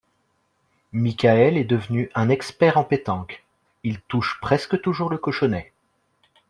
Michaël est devenu un expert en pétanque, il touche presque toujours le cochonnet